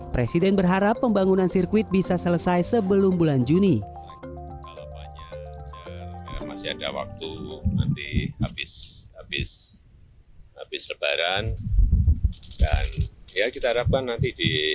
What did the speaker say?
presiden berharap pembangunan sirkuit bisa selesai sebelum bulan juni